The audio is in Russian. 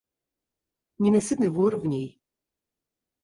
Ненасытный вор в ней.